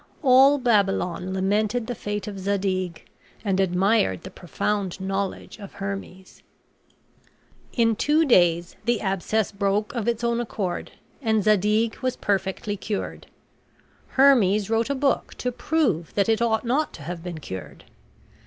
All Babylon lamented the fate of Zadig, and admired the profound knowledge of Hermes. In two days the abscess broke of its own accord and Zadig was perfectly cured. Hermes wrote a book to prove that it ought not to have been cured.